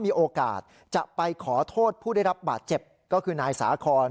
มีโอกาสจะไปขอโทษผู้ได้รับบาดเจ็บก็คือนายสาคอน